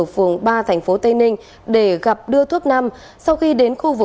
và sau đó